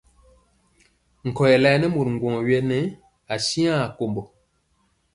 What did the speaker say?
Nkɔyɛ layɛ nɛ mori ŋgwɔŋ yɛ aa siŋa kambɔ.